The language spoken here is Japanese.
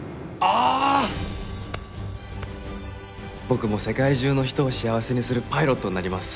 僕も世界中の人を幸せにするパイロットになります。